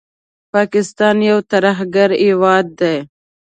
پاکستان یو ترهګر هیواد دي